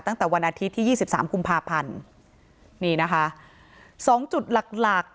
ตั้งแต่วันอาทิตย์ที่๒๓คุมภาพันธ์นี่นะคะ๒จุดหลัก